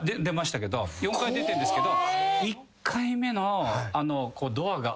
４回出てんですけど。